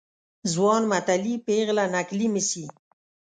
ځوان متلي ، پيغله نکلي مه سي.